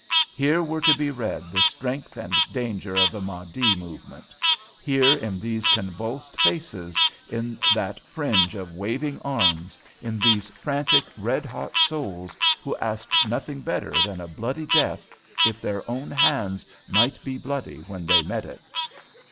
Here were to be read the strength and danger of the Mahdi movement; here in these convulsed faces, in that fringe of waving arms, in these frantic, red hot souls, who asked nothing better than a bloody death, if their own hands might be bloody when they met it.